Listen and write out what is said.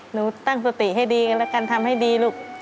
หนูตั้งสติให้ดีกันแล้วกันทำให้ดีลูก